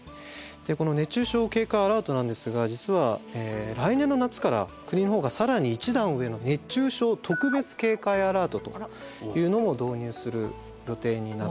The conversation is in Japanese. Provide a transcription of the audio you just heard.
この熱中症警戒アラートなんですが実は来年の夏から国のほうが更に１段上の熱中症特別警戒アラートというのも導入する予定になっています。